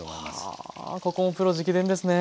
はあここもプロ直伝ですね！